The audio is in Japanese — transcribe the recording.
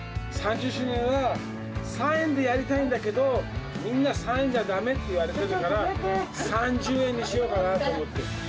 ３０周年は、３円でやりたいんだけど、みんな３円じゃだめって言われてるから、３０円にしようかなと思って。